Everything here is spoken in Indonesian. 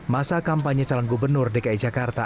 masa kampanye calon gubernur dki jakarta